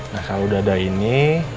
nah kalau udah ada ini